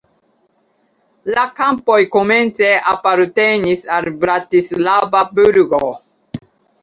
La kampoj komence apartenis al Bratislava burgo.